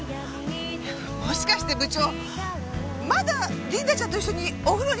もしかして部長まだリンダちゃんと一緒にお風呂に入ってるんじゃ。